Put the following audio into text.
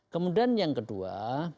kemudian yang kedua